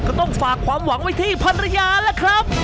ก็ต้องฝากความหวังไว้ที่ภรรยาล่ะครับ